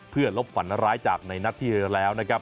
เพื่อลบฝันร้ายจากในนัดที่แล้วนะครับ